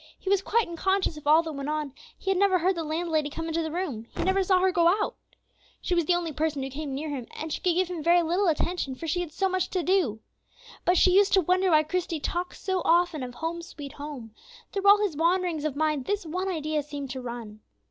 He was quite unconscious of all that went on; he never heard the landlady come into the room; he never saw her go out. She was the only person who came near him, and she could give him very little attention, for she had so much to do. But she used to wonder why Christie talked so often of "Home, sweet Home;" through all his wanderings of mind this one idea seemed to run.